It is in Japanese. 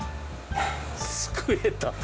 すくえた。